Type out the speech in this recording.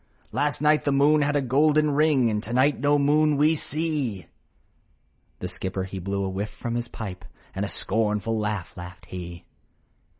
" Last night the moon had a golden ring, And to night no moon we see !' The skipper, he blew a whiff from his pips, And a scornful laugh laughed he.